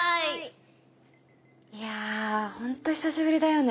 いやぁホント久しぶりだよね。